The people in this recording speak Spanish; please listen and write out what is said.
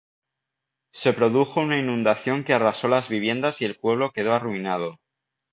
Se produjo una inundación que arrasó las viviendas y el pueblo quedó arruinado.